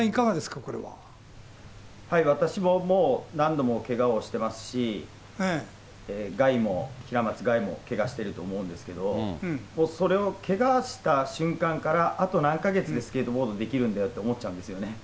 私ももう、何度もけがをしてますし、凱も、平松凱もけがしてると思うんですけれども、もうそれを、けがした瞬間から、あと何か月でスケートボードできるんだろうと思っちゃうんですよね。